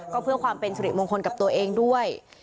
ก็เพื่อความเป็นสิริมงคลกับตัวเองด้วย